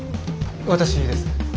私です。